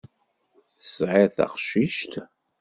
Tesεiḍ taqcict?